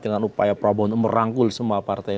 dengan upaya prabowo untuk merangkul semua partai